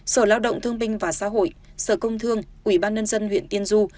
sở lao động thương minh và xã hội sở công thương quỹ ban nhân dân huyện tiên du